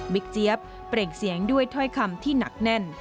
เจี๊ยบเปล่งเสียงด้วยถ้อยคำที่หนักแน่น